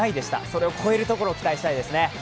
それを超えるところを期待したいですね。